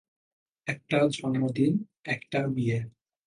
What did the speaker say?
একটা জন্মদিন, একটা বিয়ে।